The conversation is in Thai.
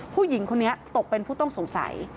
ผู้หญิงคนนี้ตกเป็นผู้ต้องสงสัย